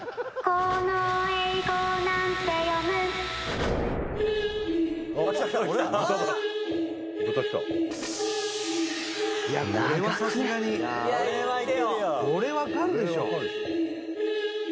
これわかるでしょ。